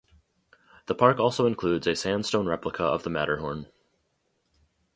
The park also includes a sandstone replica of the Matterhorn.